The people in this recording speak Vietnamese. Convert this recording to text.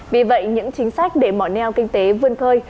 vì vậy những chính sách để mỏ neo kinh tế vươn khơi